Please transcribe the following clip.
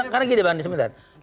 karena giliran ini sebenarnya